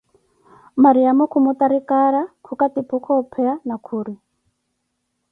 Mariamo khumutari cara, khukatiphuka opeya na khuri